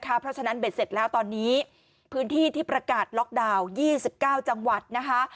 เพราะฉะนั้นเบ็ดเสร็จแล้วตอนนี้พื้นที่ที่ประกาศล็อกดาวน์๒๙จังหวัดนะคะ